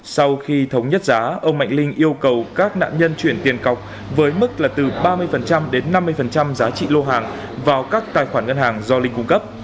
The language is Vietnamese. sau khi thống nhất giá ông mạnh linh yêu cầu các nạn nhân chuyển tiền cọc với mức là từ ba mươi đến năm mươi giá trị lô hàng vào các tài khoản ngân hàng do linh cung cấp